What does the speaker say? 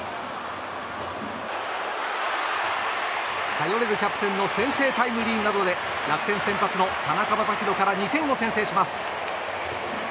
頼れるキャプテンの先制タイムリーなどで楽天、先発の田中将大から２点を先制します。